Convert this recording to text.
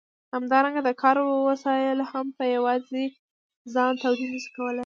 همدارنګه د کار وسایل هم په یوازې ځان تولید نشي کولای.